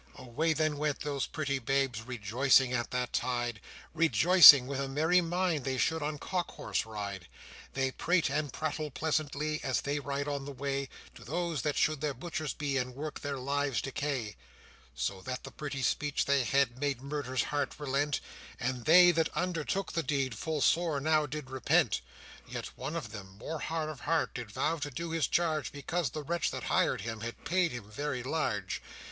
Away then went those pretty babes, Rejoicing at that tide, Rejoicing with a merry mind They should on cock horse ride. They prate and prattle pleasantly, As they ride on the way, To those that should their butchers be And work their lives' decay: So that the pretty speech they had Made Murder's heart relent; And they that undertook the deed Full sore now did repent. Yet one of them, more hard of heart, Did vow to do his charge, Because the wretch that hired him Had paid him very large.